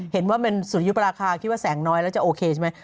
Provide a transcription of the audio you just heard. เห็นว่ามันสุริยุปราคาคิดว่าแสงน้อยแล้วจะโอเคใช่ไหม